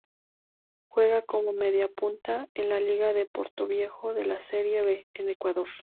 Juega como mediapunta en Liga de Portoviejo de la Serie B de Ecuador.